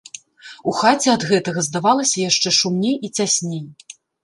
У хаце ад гэтага здавалася яшчэ шумней і цясней.